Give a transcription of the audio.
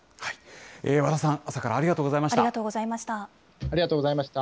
和田さん、朝からありがとうございました。